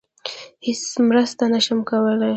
هیڅ مرسته نشم کولی.